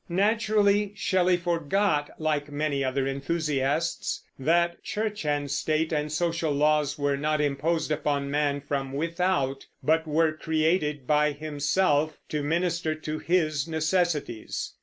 Naturally Shelley forgot, like many other enthusiasts, that Church and State and social laws were not imposed upon man from without, but were created by himself to minister to his necessities.